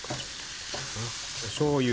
おしょうゆ。